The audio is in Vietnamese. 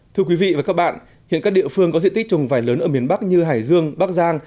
thưa quý vị và các bạn hiện các địa phương có diện tích trồng vải lớn ở miền bắc như hải dương bắc giang